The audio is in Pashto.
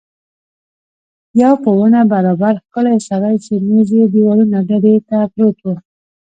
یو په ونه برابر ښکلی سړی چې مېز یې دېواله ډډې ته پروت و.